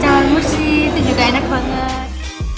cawan mushi itu juga enak banget